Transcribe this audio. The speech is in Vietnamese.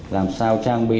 làm sao trang bị